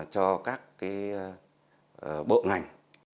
cho các bộ ngành